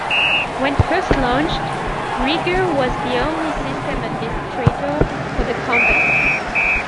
When first launched, Rieger was the only system administrator for the company.